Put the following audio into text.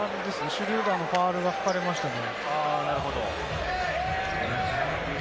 シュルーダーのファウルが吹かれましたね。